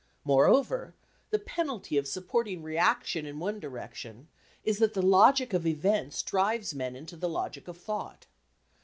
Moreover, the penalty of supporting reaction in one direction is that the logic of events drives men into the logic of thought.